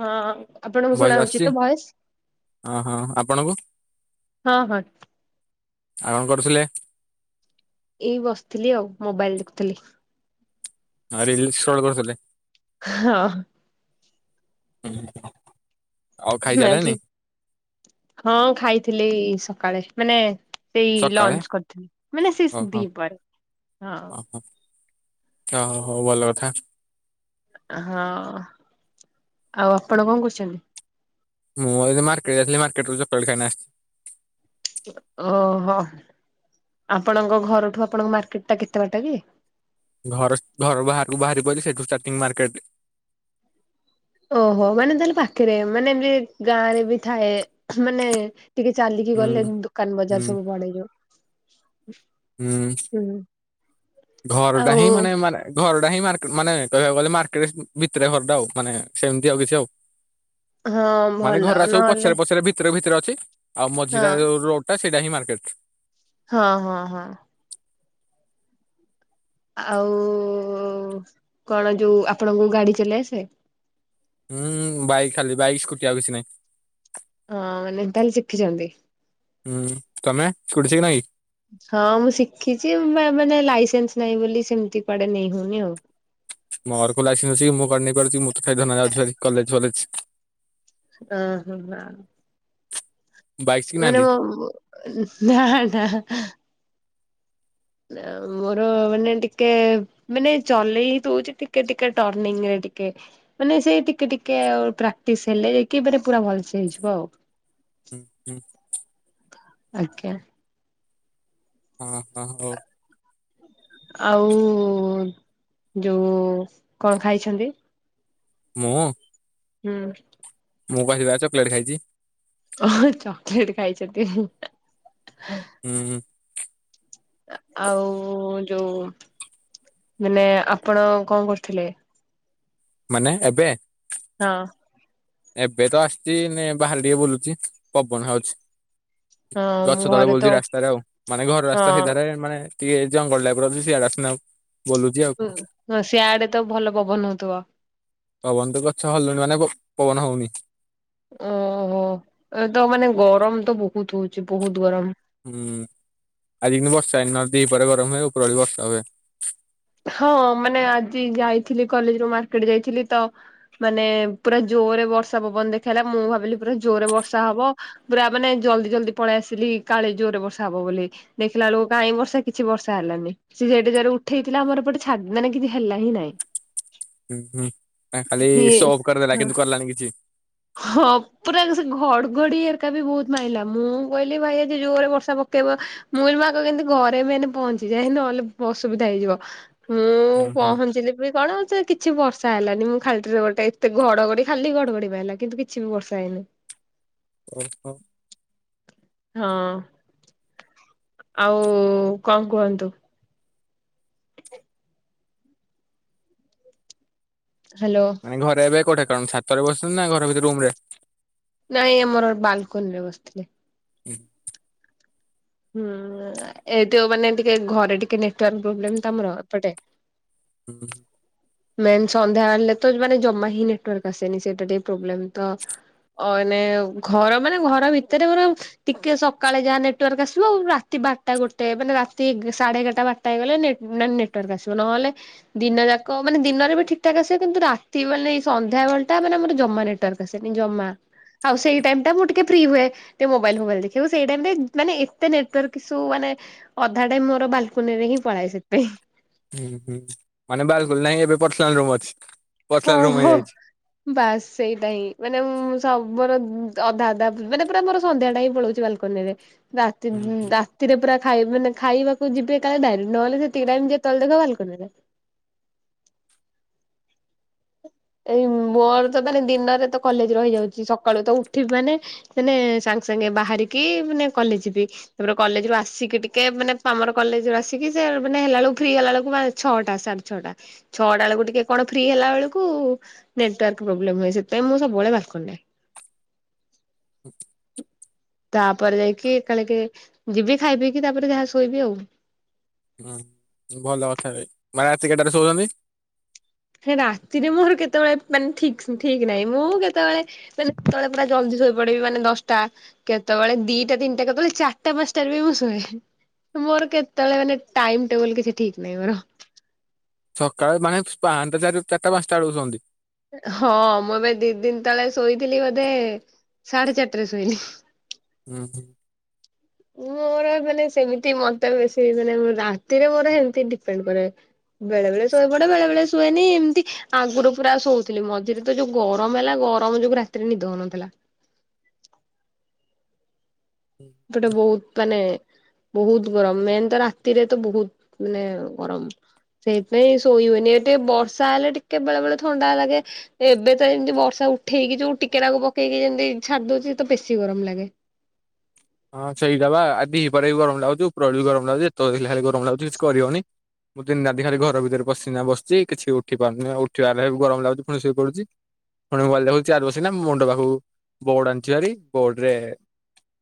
ହଁ ଆପଣଙ୍କୁ ଶୁଣା ଭଏସ୍‌ ହଉଛି ଆସୁଛି ତ ଭଏସ ଅଁ ହଁ ଆପଣଙ୍କୁ? ହଁ ହଁ ଆଉ କଣ କରୁଥିଲେ? ଏଇ ବସିଥିଲି ଆଉ ମୋବାଇଲ୍ ଦେଖୁଥିଲି। ଆଉ ରିଲ୍ଲସ କଣ କରୁଥିଲେ? ହଁ। [inaudible] ଆଉ ନା କି ଖାଇସାରିଲେଣି ହଁ ଖାଇଥିଲେ ଏଇ ସ କାଳେ ମାନେ ସେଇ ସକାଳେ ଲଞ୍ଚ କରିଥିଲି ମାନେ ସେଇ ଓହୋ ଦିଇ ପ୍ରହରେ ଓହୋ ଓହୋ ହଁ। ହଉ ଭଲ କଥା ହଁ ଆଉ ଆପଣ କଣ କରୁଛନ୍ତି? ମୁଁ ଏଇ ତ ମାର୍କେଟ ଯାଇଥିଲି ମାର୍କେଟରୁ ଚକିଲେଟ୍ ଖାଇକିନା ଆସିଥିଲି। ଓହୋ ଆପଣଙ୍କ ଘରଠୁ ଆପଣଙ୍କ ମାର୍କେଟ ଟା କେତେ ବାଟ କି? ଘର ଘରୁ ବାହାର କୁ ବାହାରି ପଡିଲି ସେଠୁ ଷ୍ଟାଟିଙ୍ଗ ମାର୍କେଟ। ଓହୋ ମାନେ ତାହେଲେ ପାଖରେ ମାନେ ଏମତି ଗାଁ ରେ ବି ଥାଏ ମାନେ ଟିକେ ଚାଲିକି ଗଲେ ହୁଁ ଦୋକାନ ବଜାର ହୁଁ ସବୁ ପଡେ ଯାଉ। ହୁଁ ଘର ଟା ଆଉ ହିଁ ମାନେ ମାନେ ଘର ଟା ହିଁ ମାର୍କେଟ ମାନେ କହିବା କୁ ଗଲେ ମାର୍କେଟ ଭିତିରେ ଘର ଟା ଆଉ ମାନେ ସେମିତି କିଛି ଆଉ। ହଁ ମାନେ ଭଲ ଘର୍ ରା ସବୁ ପଛ୍ ନହେଲେ ରେ ପଛ୍ ରେ ଭିତିରେ ଭିତିରେ ଅ [unintelligible] ଆଉ ମଝି ହଁ ଟା ଯଉ ରୋଡ ଟା ସେଇଟା ହିଁ ମାର୍କେ। କେଟ ହଁ ହଁ ହଁ। ଆଉ କଣ ଯଉ ଆପଣଙ୍କୁ ଗାଡି ଚଲେଇ ଆସେ? ହୁଁ ବାଇକ୍ ଖାଲି ବାଇକ୍ ସ୍କୁଟି ଆଉ କିଛି ନାହିଁ। ହଁ ମାନେ ତାହେଲେ ଶିଖିଛନ୍ତି। ହୁଁ ତମେ ଖୁଡିଛ କି ନାଇଁ। ହଁ ମୁଁ ଶିଖିଛି ମାନେ ଲାଇସେନ୍ସ ନାହିଁ ବୋଲି ସେମିତି କୁଆଡେ ନେଇ ହଉନି ଆଉ। ମୋର କୋଉ ଲାଇସେନ୍ସ ଅଛି କି ମୁଁ କୁଆଡେ ମୁଁ ତ ଖାଇ ଧନ କଲେଜ୍ ଫଲେଜ୍ ହଁ ହ ଆ। ବାଇକ୍ ମଲେ ଶିଖିନାହାନ୍ତି? ନାଁ ନାଁ। ମୋର ମାନେ ଟିକେ ମାନେ ଚଲେଇ ଦଉଛି ଟିକେ ଟିକେ ଟାର୍ଣ୍ଣିଙ୍ଗ୍ ରେ ଟିକେ ମାନେ ସେ ଟିକେ ଟିକେ ଆ ପ୍ରାକ୍ଟିସ ହେଲେ ଯାଇକି ମାନେ ପୁରା ଭଲସେ ହେଇଯିବ ଆଉ। ହୁଁ ହୁଁ ଆଜ୍ଞା। ହଁ ହଁ ହଉ। ଆଉ ଯୋଉ କଣ ଖାଇଛନ୍ତି। ମୁଁ ହୁଁ। ମୁଁ କହିଲି ବା ଚକଲେଟ୍ ଖାଇଛି। ଓ ଚକୋଲେଟ୍ ଖାଇଛନ୍ତି। ହୁଁ ହୁଁ। ଆଉ ଯୋଉ ମାନେ ଆପଣ କଣ କରୁଥିଲେ। ମାନେ ଏବେ ହଁ। ଏବେ ତ ଆସିଛି ମେ ବାହାରେ ଟିକେ ବୁଲୁଚି ପବନ ହଉଛି। ହଁ ଗଛ ମୁଁ ତଳେ ଘରେ ତ ବୋଲୁଛି ରାସ୍ତାରେ ଆଉ। ମାନେ ଘର ରାସ୍ତା ହଁ ସିଧାରେ ମାନେ ଟିକେ ଜଙ୍ଗଲ ଟାଇପ୍ ର ଅଛି ସିଆଡେ ଆସିକିନା ହୁଁ ହ ସିଆଡେ ତ ଭଲ ପବନ ହଉଥିବ। ପବନ ତ ଗଛ ହଲୁଣି ମାନେ ପବନ ହୋଉନି। ଓହୋ ବୋହୁତ ଗରମ। ହୁଁ ଆଜି କିିନ୍ତୁ ବର୍ଷା ହେଇନି ନହେଲେ ଦିଇପହରେ ଗରମ ହୁଏ, ଉପରଓଳି ବର୍ଷା ହୁଏ। ହଁ ମାନେ ଆଜି ଯାଇଥିଲି କଲେଜରୁ ମାର୍କେଟ ଯାଇଥିଲି ତ ମାନେ ପୁରା ଜୋରେ ବର୍ଷା ପବନ ଦେଖେଇଲା, ମୁଁ ଭାବିଲି ପୁରା ଜୋରେ ବର୍ଷା ହବ ପୁରା ମାନେ ଜଲ୍ଦୀ ଜଲ୍ଦୀ ପଳେଇ ଆସିଲି କାଳେ ଜୋରରେ ବର୍ଷା ହବ ବୋଲି ଦେଖିଲା ବଳକୁ କାଇ ବର୍ଷା କିଛି ବର୍ଷା ହେଲାନି ସିଏ ସେଠି ଏଡେ ଜୋରେ ଉଠେଇ ଆମର ଏପଟେ ଛା କିଛି ହେଲା ହିଁ ନାଇଁ। ହୁଁ ହୁଁ ଖାଲି ସୋଅପ କରିଦେଲା ହଁ କିନ୍ତୁ କଲାନି କିଛି। ହଁ ପୁରା ସେ ଘଡଘଡି ହେରିକା ବୋହୁତ ମାଇଲା, ମୁଁ କହିଲି ଭାଇ ଆଜି ଜୋରେ ବର୍ଷା ପକେଇବ ମୁଁ କହିଲି ମୁଁ ଆଗେ କେମିତି ଘରେ ମେନ୍ ପହଁଞ୍ଚି ଯାଏ, ନହେଲେ ଅସୁବିଧା ହେଇଯିବ। ମୁଁ ହୁଁ ହୁଁ ପହଞ୍ଚିଲି ବି କଣ ସେ କିଛି ବ ର୍ଷା ହେଲାନି ମୁଁ ଖାଲିଟାରେ ଗୋଟେ ଏତେ ଘଡଘଡି ଖାଲି ଘଡଘଡି ମାଇଲା। କିନ୍ତୁ କିଛି ବି ବର୍ଷା ହେଇନି। ଓହୋ। ହଁ। ଆଉ କଣ କୁହନ୍ତୁ। ହ୍ୟାଲୋ ମାନେ ଘରେ ଏବେ କୋଉଠେ? କାଣ ଛାତରେ ବସିଚନ୍ତି ନା ଘର ଭିତରେ ରୁମ୍ ରେ? ନାଇଁ ଆମର ବାଲକୁନି ରେ ବସିଥିଲି। ହୁଁ। ହୁଁ ଏ ଯୋଉ ମାନେ ଟିକେ ଘରେ ଟିକେ ନେଟୱାକ ପ୍ରୋବ୍ଲେମ୍ ତମର ଏପଟେ। ହୁଁ। ମେନ୍ ସନ୍ଧ୍ୟାବେଳେତ ମାନେ ଜମା ହିଁ ନେଟୱାର୍କ ଆସେନି ସେଟା ଟିକେ ପ୍ରୋବ୍ଲେମ୍ ତ ଅ ଘର ମାନେ ଘର ଭିତରେ ବରଂ ଟିକେ ସକାଳେ ଯାହା ନେଟୱାର୍କ ଆ ରାତି ବାରଟା ଗୋଟେ ମାନେ ରାତି ସାଢେ ଏଗାରଟା ବାରଟା ହେଇଗଲେ ନେଟ ମାନେ ନେଟୱାର୍କ ଆସିବ ନହେଲେ ଦିନ ଯାକ ମାନେ ଦିନରେ ବି ଠିକ୍ ଠାକ୍ ଆସିବ, କିନ୍ତୁ ରାତି ମାନେ ସନ୍ଧ୍ୟା ବେଳଟା ମାନେ ଆମର ଜମା ନେଟାୱାର୍କ ଆସେନି ଜମା ଆଉ ସେଇ ଟାଇମ ଟା ମୁଁ ଟିକେ ଫ୍ରି ହୁଏ। ଟିକେ ମୋବାଇଲ ଫୋବାଇଲ ଦେଖିବାକୁ ସେଇ ଟାଇମ୍ ରେ ମାନେ ନେଟୱାର୍କ କି ସୁ ମାନେ ଅଧା ଟାଇ ମୋର ବାଲ୍କୁନି ରେ ହିଁ ପଳାଏ ସେଥିପାଇଁ। ହୁଁ ହୁଁ ମାନେ ବାଲକୁଲ ନାହିଁ ଏବେ ପର୍ସନାଲ ରୁମ୍ ଅଛି। ହଁ ପର୍ସନାଲ ରୁମ ହଁ ହେଇଯାଇଛି। ବାସ୍ ସେଇଟା ହିଁ ମାନେ ମୁଁ ତବର ଅଧା ଅଧା ମାନେ ପୁରା ମୋର ସନ୍ଧ୍ୟା ଟାଇମ ପୁଳୋଉଚି ବାଲକୋନି ରେ ରାତି ରାତିରେ ପୁରା ଖାଇ ମାନେ ଖାଇବାକୁ ଯିବେ କାଳେ ଡାଇନିଙ୍ଗ ନହେଲେ ସେ ଟାଇମରେ ଯେତବେଳେ ଦେଖ ବାଲକୋନିରେ। ଏଇ ମୋର ତ ମାନେ ଦିନରେ ତ କଲେଜ ରହିଯାଉଚି ସକାଳୁ ତ ଉଠିବି ମାନେ ମାନେ ସାଙ୍ଗେ ସାଙ୍ଗେ ବାହାରିକି ମାନେ କଲେଜ ଜିବି ତାପରେ କଲେଜ ରୁ ଆସିକି ଟିକେ ମାନେ ଆମର କଲେଜ ରୁ ଆସିକି ସେ ମାନେ ହେଲା ବେଳକୁ ଫ୍ରି ହେଲା ବେଳକୁ ଛଅଟା ସାଢେ ଛଅଟା ଛଅଟା ବେଳକୁ ଟିକେ କଣ ଫ୍ରି ହେଲା ବେଳକୁ କୁ ନେଟୱାର୍କ୍ ପ୍ରୋବ୍ଲେମ ହୁଏ ସେଥିପାଇ ମୁଁ ସବୁବେଳେ ବାଲକୋନିରେ। ତାପରେ ଯାଇକି ଏକାବୋଳେ କେ ଯିବି ଖାଇ ପିଇକିି ତାପରେ ଯାହା ଶୋଇବି ଆଉ। ହୁଁ ଭଲ କଥା କହିଲେ ମାନେ ରାତି କେତେଟାରେ ଶୋଉଚନ୍ତି। ରାତିରେ ମୋର କେତେବେଳେ ମାନେ ଠିକ ଠିକ ନାହିଁ ମୁଁ କେତେବେଳେ କେତେବେଳେ ମାନେ କେତେବେଳେ ପୁରା ଜଲ୍ଦୀ ଶୋଇ ପଡିବି ମାନେ ଦଶଟା କେତେବେଳେ ଦିଇଟା ତିନିଟା କେତେବେଳେ ଚାରିଟା ପାଞ୍ଚଟାରେ ବି ମୁଁ ଶୁଏ ମୋର କେତେବେଳେ ମାନେ ଟାଇମ ଟେବୁଲ କିଛି ଠିକ୍ ନାହିଁ ମୋର, ସକାଳେ ମାନେ ପାହାଁନ୍ତା ଚାରି ଚାରିଟା ପାଞ୍ଚଟା ବେଳକୁ ଶୁଅନ୍ତି। ହଁ ମୁଁ ଏବେ ଦିଇ ଦିନ ତଳେ ଶୋଇଥିଲି ବୋଧେ ସାଢେ ଚାରିଟାରେ ଶୋଇନି ହୁଁ ହୁଁ। ମୋର ମାନେ ସେମିତି ମତେ ବେଶୀ ମାନେ ରାତିରେ ମୋର ଏମିତି ଡିପେଣ୍ଡ କରେ ବେଳେ ବେଳେ ଶୋଇ ପଡେ ବେଳେ ବେଳେ ଶୁଏନି ଏମିତି ଆଗରୁ ପୁରା ଶୋଉଥିଲି ମଝିରେ ତ ଯୋଉ ଗରମ ହେଲା ଗରମ ଯୋଗୁ ରାତିରେ ନିଦ ହଉନଥିଲା। ଗୋଟେ ବୋହୁତ ମାନେ ବହୁତ ଗରମ ମେନ୍ ତ ରାତିରେ ତ ବହୁତ ମାନେ ଗରମ ସେଇଥୀ ପାଇଁ ଶୋଇ ହୁଏନି ଏ ଟିକେ ବର୍ଷା ହେଲେ ଟିକେ ବେଳେ ବେଳେ ଥଣ୍ଡା ଲାଗେ ଏବେ ତ ଯେମିତି ବର୍ଷା ଉଠେଇକି ଯୋଉ ଟିକେନାକୁ ପକେଇକି ଯେମିତି ଛାଡି ଦୋଉଚି ତ ବେଶୀ ଗରମ ଲାଗେ। ହଁ ସେଇଟା ବା ଆ ଦିପରେ ବି ଗରମ ଲାଗୁଚି ଉପରଓଳି ବି ଗରମ ଲାଗୁଚି ଯେତେବେଳେ ଦେଖିଲେ ଗରମ ଲାଗୁଚି କିଛି କରିହୋଉନି ମୁଁ ଦିନରାତି ଖାଲି ଘର ଭିତରେ ପଶିକିନା ବସିଚି କିଛି ଉଠି ପାରୁନି ଉଠିଲା ବେଳେ କୁ ଗରମ ଲାଗୁଚି ଫୁଣି ଶୋଇ ପଡୁଚି ଫୁଣି ମୋବାଇଲ୍ ଚାର୍ଜ ବସେଇକିନା ମୁଣ୍ଡ ପାଖକୁ ବୋର୍ଡ ଆଣିିଚିଭାରି ବୋର୍ଡ ରେ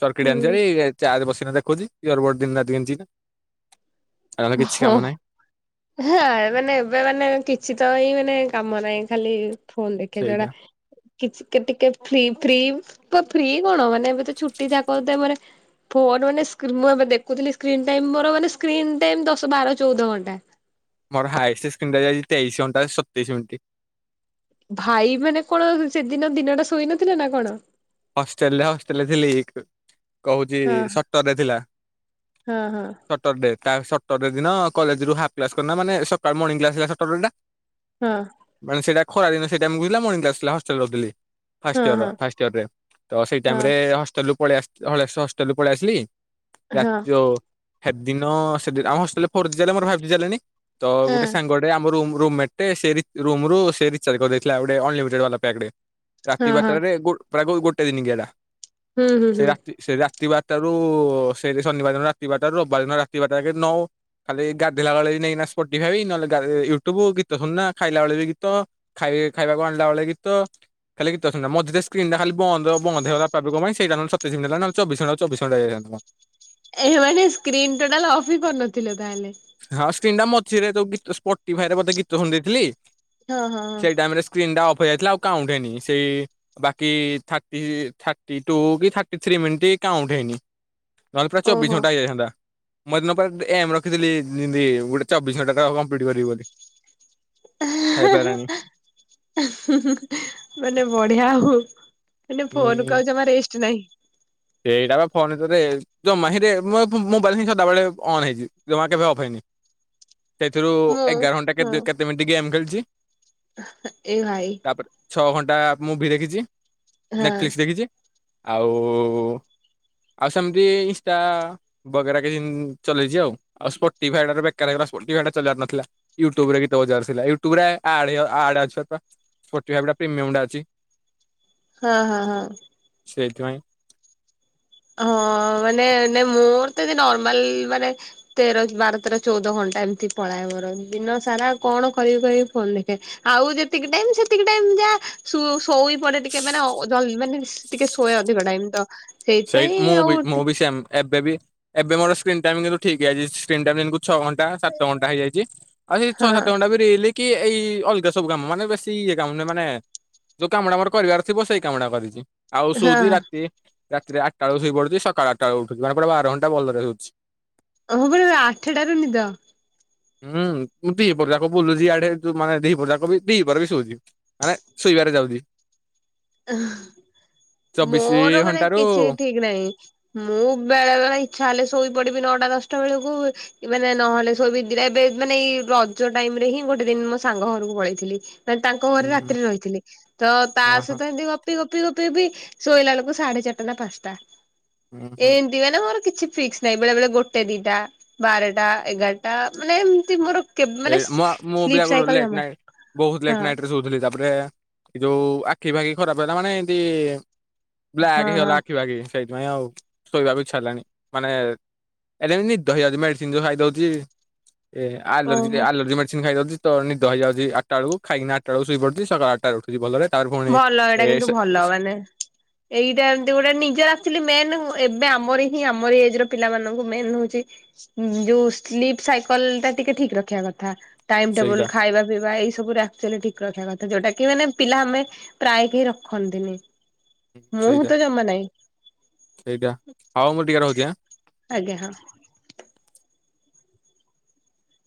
ସର୍କିଟ ହୁଁ। ଆଣିଚିଭାରି ଚାର୍ଜ ବସି ଦେଖୁଚି ଇଅର ବଡ଼ ଦିନ ରାତି ଗେହିଁକିନା। ଆଉତ କିଛି କାମ ହଁ। ନାହିଁ। ହଁ ମାନେ ଏବେ ମାନେ କିଛି ତ ହିଁ ମାନେ କାମ ନାହିଁ ଖାଲି ଫୋନ ଦେଖିବା ଛଡା ସେଇଟା। କି ଟିକେ ଫ ଫି ଫ୍ରିକଣ ମାନେ ଏବେ ତ ଛୁଟି ଯାକ ତା ମୋ ମାନେ ଫୋନ ମାନେ ମୁଁ ଏବେ ଦେଖୁଥିଲି ସ୍କ୍ରିନ ଟାଇମ ମୋର ସ୍କ୍ରିନ ଟାଇମ ମୋର ଦଶ ବାର ଚଉଦ ଘଣ୍ଟା। ମୋର ହାଇଏଷ୍ଟ ସ୍କ୍ରିନ୍ ଟାଇମ ଯାଇଛି ତେଇଶ ଘଣ୍ଟା ସତେଇଶ ମିନିଟ୍। ଭାଇ, ମାନେ କଣ ସେଦିନ ଦିନଟା ଶୋଇ ନଥିଲା ନା କଣ? ହଷ୍ଟେଲରେ ହଷ୍ଟେଲରେ ଥିଲି କହୁଛି ହଁ ସଟରରେ ଥିଲା ହଁ ହଁ ସଟରଡେ। ତା ସଟର ଡେ ଦିନ କଲେଜରୁ ହାଫ୍ କ୍ଲାସ କରି ମାନେ ସକାଳୁ ମର୍ଣିଂ କ୍ଲାସ ହେଲା ସଟରରେଟା। ହଁ ମାନେ ସେଇଟା ଖରା ଦିନ ସେଇ ଟାଇମକୁ ହେଇଥିଲା ମଣିଂକ୍ଲାସ ଥିଲା ହଷ୍ଟେଲରେ ରହୁଥିଲି। ଫାଷ୍ଟ ହଁ ଇୟର ହଁ ଫାଷ୍ଟୟରରେ। ତ ସେଇ ହଁ ଟାଇମରେ ହଷ୍ଟେ ଯୋଉ ପଳେଇ ଆସି ହଷ୍ଟଲରୁ ପଳେଇ ଆସିଲି। ରାତି ହଁ ଯୋ ସେଦିନ ସେଦିନ ଆମ ହଷ୍ଟେଲରେ ଫୋର ଜିବି ମୋର ଫାଇଭ ଜିବି ଚାଲେନି। ତ ହଁ ଗୋଟେ ସାଙ୍ଗଟେ ଆମ ରୁମ ରୁମମେଟଟେ ସେ ରୁମରୁ ସେ ରିଚାର୍ଜ କରିଦେଇଥିଲା ଅନଲିମିଟେଡେ ବାଲା ପ୍ୟାକଟେ। ରାତି ହଁ ହଁ। ବାରଟାରେ ଗୋ ପ୍ରାୟ ଗୋ ଗୋ [unintelligible] ହୁଁ ହୁଁ ସେ ହୁଁ ରାତି ସେ ରା ରାତିବାରଟାରୁ ସେଇ ଶନିବାର ଦିନ ରାତିିବାରଟାରୁ ରବିବାର ଦିନ ରାତିିବାରଟା ଯାକେ ନଉ ଖାଲି ଗାଧେଇଲା ବେଳେ ବି ନେଇନା ସ୍ପଟି ଫାଇ ନହେଲେ ୟୁଟ୍ୟୁବ ଗୀତ ଶୁଣନା ଖାଇଲାବେଳେ ବି ଗୀତ ଖାଇବାକୁ ଆଣିଲା ବେଳେ ଗୀତ ଖାଲି ଗୀତ ଶୁଣିଲା ମଝି ତେ ସସ୍କ୍ରିନ ଟା ଖାଲି ବନ୍ଦ୍ ବନ୍ଦ୍ ହେଏଗଲା [unintelligible] ପାଇଁ ସେଟା ନହେଲେ ସତେଶ ମିନିଟ ପାଇଁ ନହେଲେ ଚବିଶ ଘଣ୍ଟା କୁ ଚବିଶ ଘଣ୍ଟା ଯାଇଥାନ୍ତା। ଏ ମାନେ ସ୍କ୍ରିନ୍ ଟୋଟାଲ ଅଫ୍ ହି କରିନଥିଲେ। ତାହଲେ। ତିଣ୍ଡା ମଝିରେ ଯୋ ଗୀତ ସ୍ପଟିଫଏ ରେ ବୋଧେ ଗୀତ ଶୁଣି ଦେଇଥିଲି। ହଁ ହଁ ହଁ ସେଇ ଟାଇମ ରେ ସ୍କ୍ରିନ୍ ଟା ଅ ଯାଇଥିଲା ଆଉ କାଉଣ୍ଟ ହେଇନି ସେଇ ବାକି ଥାଟି ଥାଟି ଟୁ କି ଥାଟି ଥ୍ରୀ ମିନିଟ କାଉଣ୍ଟ ହେଇନି। ନହେଲେ ପ୍ରାୟ ଚବିଶ ଘଣ୍ଟା ଓହୋ। ହେଇଯାଇଥାନ୍ତା। [unintelligible] ଏମ ରଖିଥିଲି। ଗୋଟେ ଚବିଶ ଘଣ୍ଟା ତ କମ୍ପ୍ଲିଟ କରିବି ବୋଲି। ହେଇପାରିଲାନି। ମାନେ ବଢିଆ ଆଉ। ମାନେ ଫୋନକୁ ଆଉ ଜମା ରେଷ୍ଟ ନହିଁ। ସେଇଟା ବା ଫୋନ ଭିତରେ ଜମା ହିଁରେ ମୋବାଇଲ ହିଁ ସଦାବେେଳେ ଅନ୍ ହେଇଛି ଜମା କେବେ ଅଫ୍ ହେଇନି। ସେଥିରୁ ମୁଁ ଏଗାର ଘଣ୍ଟା ହଁ କେ କେତେ ମିନିଟ୍ ଗେମ୍ ଖେଳି। ଯି। ଏ ଭାଇ। ଛଅ ଘଣ୍ଟା ମୁଭିି ଦେଖିଛି। ହଁ ନେଟକ୍ଫ୍ଲିକ୍ସ ଦେଖିଛି। ଆଉ। ଆଉ ସେମିତି ଇନ୍ଷ୍ଟା ବଗେରା କିଛି ଚଲେଇଛି ଆଉ ଆଉ ସ୍ପଟିଫାଏ ତ ବେକାର ହେଇଗଲା ଚଲେଇବାର ନଥିଲା ୟୁଟ୍ୟୁବରେ ଗୀତ ବଜେଇବାର ନଥିଲା। ୟୁଟ୍ୟୁବ ରେ ଆଡ୍ ଆଡ ଅଛି ସ୍ପଟିଫାଏ ଟା ପ୍ରିମିୟମ ଅଛି। ହଁ ହଁ ହଁ। ସେଇଥିପାଇଁ। ହଁ ମାନେ ନ ମୋର ତ ନର୍ମାଲ ମାନେ ତେର ବାର ତେର ଚଉଦ ଘଣ୍ଟା ଏମିତି ପଳାଏ ମୋର ଦିନ ସାରା କଣ କରିବି କରିବି ଫୋନ ଦେଖେ ଆଉ ଯେତିକି ଟାଇମ ସେତିକି ଟାଇ ଯା ଶୁ ଶୋଇ ପଡେ ଟିକେ ମାନେ ମାନେ ଟିକେ ଶୋଏ ଅଧିକ ଟାଇମ ତ। ସେଇଠ ସେଇଥିପାଇଁ ମୁଁ ଆଉ ବି ମୁଁ ବି ସେ ଏବେ ବି ଏବେ ମୋର ସ୍କ୍ରିନ୍ ଟାଇମ କିନ୍ତୁ ଠିକ ଆଇଚି ସ୍କ୍ରିନ୍ ଟା ବି ଛଅ ଘଣ୍ଟା ସାତ ଘଣ୍ଟା ହେଇଯାଇଛି ଆଉ ସେଇ ଛଅ ହଁ ସାତ ଘଣ୍ଟା ବି ରିଲ୍ କି ଏଇ ଅଲଗା ସବୁ କାମ ମାନେ ବେଶୀ ଇଏ କାମ ନୁହେଁ ମାନେ ଯେଉଁ କାମଟା ମୋର କରିବାର ଥିବ ସେଇ କାମଟା କରିଛି। ଆଉ ଶୋଉଚି ହଁ ରାତି ରାତିରେ ଆଠଟା ବେଳୁ ଶୋଇପଡୁଛି ସକାଳ ଆଠଟା ବେଳୁ ଉଠୁଛି ମାନେ ପୁରା ବାର ଘଣ୍ଟା ଭଲରେ ସୋଉଛି। ହଁ ପ ଆଠଟାରୁ ନିଦ? ହୁଁ ମୁଁ ଦିହି ପହର ଯାକ ବୁଲୁଛି ଇଆଡେ ଯ ମାନେ ଦି ପହର ବି ଶୋଉଛି ମାନେ ଶୋଇବାରେ ଯାଉଛି। ଚବିଶି ମୋର ମାନେ ଘଣ୍ଟାରୁ କିଛି ଠିକ୍ ନାହିଁ ମୁଁ ବେଳେବେଳେ ଇଚ୍ଛା ହେଲେ ଶୋଇ ପଡି ବି ନଅଟା ଦଶଟା ବେଳକୁ ମାନେ ନହେଲେ ଶୋଇବି ଦିଟା। ମାନେ ଏଇ ରଜ ଟାଇମ ରେ ହିଁ ଗୋଟେ ଦିନ ମୋ ସାଙ୍ଗ ଘରକୁ ପଳେଇଥିଲି। ତାଙ୍କ ଘରେ ହୁଁ ହୁଁ ରାତିରେ ରହିଥିଲି ତ ତା ଅ ହଁ ଗପି ଗପି ଗପି ଗପି ଶୋଇଲା ବେଳୁକୁ ସାଢେ ଚାରଟା ନା ପାଞ୍ଚଟା। ହୁଁ ହୁଁ ଏମତି ମାନେ ମୋର କିଛି ଫିକ୍ସ ନାହିଁ ବେଳେ ବେଳେ ଗୋଟେ ଦିଟା ବାରଟା ଏଗାରଟା ମାନେ ଏମତି ମୋର କେବେ ମାନେ ମୁଁ ବି ସ୍ଲିପ ଆଗରୁ ସାଇକଲ ଲେଟ୍ ଜମା ନାଇଟ୍ ବହୁତ ଲେଟ୍ ହଁ ନାଇଟ ରେ ଶୋଉଥିଲି ତାପରେ ଏ ଯୋଉ ଆଖି ଫାଖି ଖରାପ ହେଲା ମାନେ ଏନ୍ତି ବ୍ଲାକ୍ ହଁ ହେଇଗଲା ହଁ ଆଖି ଫାଖି ସେଇ ନାଇଁ ଆଉ ଶୋଇବାକୁ ଇଚ୍ଛା ହେଲାଣି ମାନେ ଏ ନିଦ ହେଇଯାଉଛି ମେଡିସିନ ଯୋଉ ଖାଇଦଉଛି ଏ ଆଲର୍ଜି ଓହୋ ଏଲର୍ଜି ମେଡ଼ିସିନ୍ ଖାଇଦଉଚି ତ ନିଦ ହେଇଯାଉଛି ଆଟା ବେଳୁକୁ ଖାଇକି ନା ଆଟା ବେଳୁକୁ ଶୋଇପଡୁଚି ସକାଳ ଆଟାରେ ଉଠୁଚି ଭଲରେ। ତାପରେ ପୁଣି ଭଲ ଏଇଟା ଏ କିନ୍ତୁ ଭଲ ମାନେ ଏଇଟା ଏମତି ଗୋଟେ ନିଜର ଆସିଥିଲି ମେନ୍ ଏବେ ଆମର ହିଁ ଆମର ଏଜ୍ ର ପିଲାମାନଙ୍କୁ ମେଏନ ହଉଛି ଯୋଉ ସ୍ଲିପ୍ ସାଇକଲ ଟା ଟିକେ ଠିକ ରଖିବା କଥା। ଟାଇମ ଟେବୁଲ ସେଇଟା ଖାଇବା ପିଇବା ଏଇ ସବୁରେ ଆକ୍ଚୋଲି ଠିକ୍ ରଖିବା କଥା ଯୋଉଟା କି ମାନେ ପିଲା ଆମେ ପ୍ରାୟ କେ ରଖନ୍ତିନି ମୁଁ ସେଇଟା ତ ଜମା ନାଇଁ ସେଇଟା ଆଉ ମୁଁ ଟିକେ ରହୁଛି ଆଁ ଆଜ୍ଞା ହଁ।